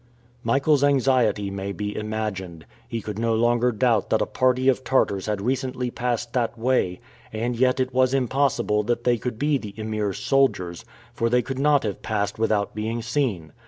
Michael's anxiety may be imagined. He could no longer doubt that a party of Tartars had recently passed that way, and yet it was impossible that they could be the Emir's soldiers, for they could not have passed without being seen.